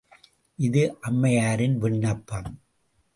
இது அம்மையாரின் விண்ணப்பம்.